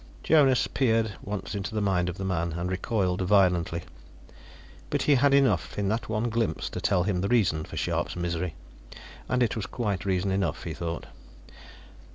Jonas peered once into the mind of the man, and recoiled violently; but he had enough, in that one glimpse, to tell him the reason for Scharpe's misery. And it was quite reason enough, he thought.